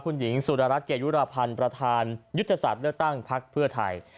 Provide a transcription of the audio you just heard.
คุณหญิงสุดารัฐเกยุราพันธ์ประธานยุทธศาสตร์เลือกตั้งพักเพื่อไทย